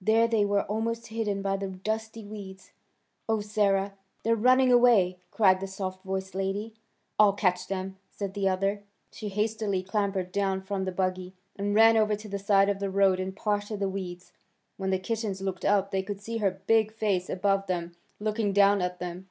There they were almost hidden by the dusty weeds. "Oh, Sarah! They're running away!" cried the soft voiced lady. "I'll catch them!" said the other. She hastily clambered down from the buggy, and ran over to the side of the road and parted the weeds. When the kittens looked up they could see her big face above them looking down at them.